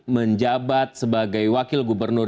menjabat sebagai wakil gubernur